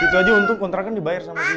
itu aja untuk kontrakan dibayar sama si dandi